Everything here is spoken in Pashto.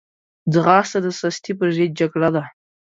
ځغاسته د سستي پر ضد جګړه ده